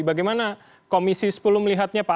bagaimana komisi sepuluh melihatnya pak